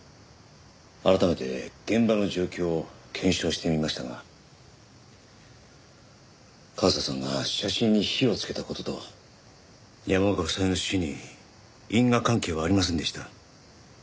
改めて現場の状況を検証してみましたが和沙さんが写真に火をつけた事と山岡夫妻の死に因果関係はありませんでした。